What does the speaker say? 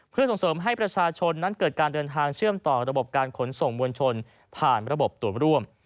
เพื่อส่งเสริมให้ประชาชนนั้นเกิดการเดินทางเชื่อมต่อระบบการขนส่งมวลชนผ่านระบบตรวจร่วม